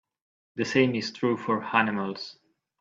The same is true for animals.